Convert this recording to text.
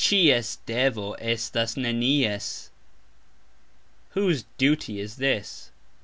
"Cxies" devo estas "nenies". "Whose" duty is this?